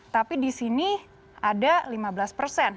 tapi di sini ada lima belas persen